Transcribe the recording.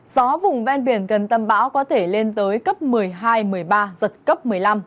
gió vùng ven biển gần tâm bão có thể lên tới cấp một mươi hai một mươi ba giật cấp một mươi năm